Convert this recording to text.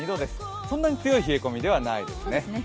そんなに強い冷え込みではないですね。